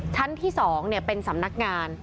ชั้นที่๒เป็นสำนักงาน